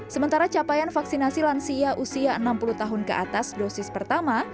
sementara capaian vaksinasi lansia usia enam puluh tahun ke atas dosis pertama